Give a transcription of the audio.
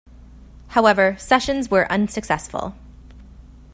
However, sessions were unsuccessful.